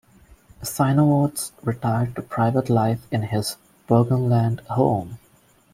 Sinowatz retired to private life in his Burgenland home.